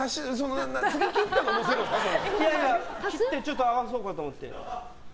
切ってちょっと合わそうかと思って。